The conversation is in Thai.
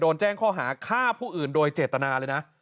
แจ้งข้อหาฆ่าผู้อื่นโดยเจตนาเลยนะ